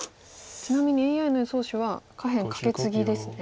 ちなみにＡＩの予想手は下辺カケツギですね。